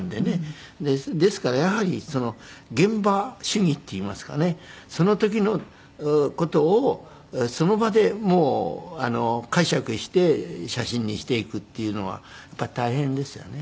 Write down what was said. ですからやはり現場主義っていいますかねその時の事をその場でもう解釈して写真にしていくっていうのはやっぱり大変ですよね。